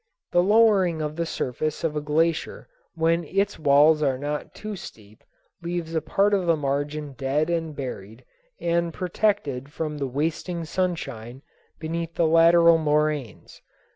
The lowering of the surface of a glacier when its walls are not too steep leaves a part of the margin dead and buried and protected from the wasting sunshine beneath the lateral moraines.